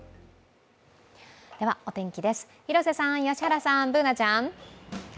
お天気です、広瀬さん良原さん、Ｂｏｏｎａちゃん。